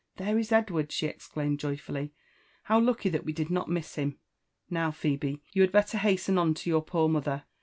" There is Edward !*' she exclaimed joyfully: how lucky that we did not miss him I — Now, Phebe, you had better hasten on to your poor mother.